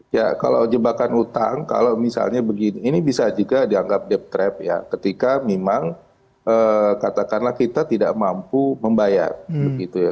ya kalau jebakan utang kalau misalnya begini ini bisa juga dianggap debt trap ya ketika memang katakanlah kita tidak mampu membayar begitu ya